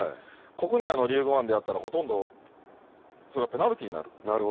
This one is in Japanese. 国内のリーグワンでやったら、それはほとんどペナルティーになる。